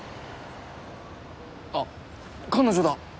あっ彼女だ！